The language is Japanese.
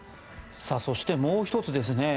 そしてもう１つ